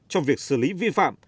trong việc xử lý vi phạm